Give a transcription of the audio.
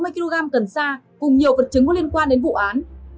chín trăm bốn mươi kg cần sa cùng nhiều vật chứng có liên quan đến vụ án